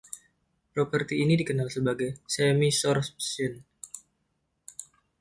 Properti ini dikenal sebagai chemisorption.